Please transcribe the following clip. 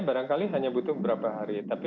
barangkali hanya butuh beberapa hari tapi